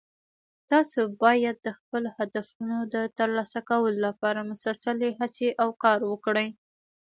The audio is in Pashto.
تاسو باید د خپلو هدفونو د ترلاسه کولو لپاره مسلسلي هڅې او کار وکړئ